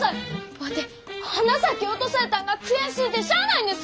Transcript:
ワテ花咲落とされたんが悔しゅうてしゃあないんです！